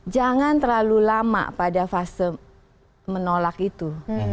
jangan terlalu lama pada fase menolak itu